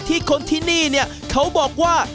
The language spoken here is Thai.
คนที่นี่เนี่ยเขาบอกว่า